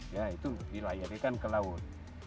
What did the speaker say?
ya itu dilayar ikan ke laut